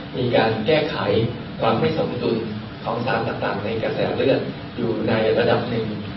มีการแก้ไขความไม่สมดุลของสารต่างในกระแสเลือดอยู่ในระดับหนึ่ง